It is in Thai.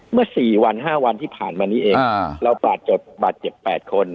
๔วัน๕วันที่ผ่านมานี้เองเราบาดเจ็บ๘คน